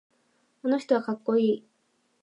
あの人はかっこいい。